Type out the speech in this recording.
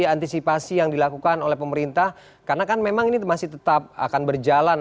antisipasi yang dilakukan oleh pemerintah karena kan memang ini masih tetap akan berjalan